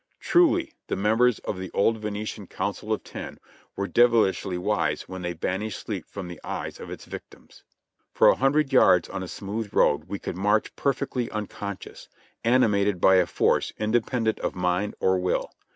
Truly the members of the old Venetian "Council of Ten" were devilishly wise when they banished sleep from the eyes of its victims. For a hundred yards on a smooth road we could march per fectly unconscious, animated by a force independent of mind or will.